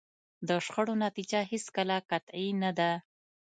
د شخړو نتیجه هېڅکله قطعي نه ده.